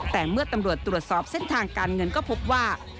แต่เมื่อตำรวจตรวจสอบเส้นทางการเงินก็พบว่า